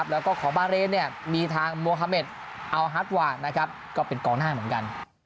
แล้วก็ของบาเรนมีทางโมฮาเมดอัลฮัตวาก็เป็นกองหน้าเหมือนกัน